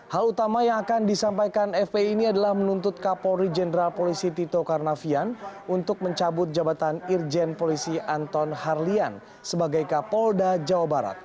hal utama yang akan disampaikan fpi ini adalah menuntut kapolri jenderal polisi tito karnavian untuk mencabut jabatan irjen polisi anton harlian sebagai kapolda jawa barat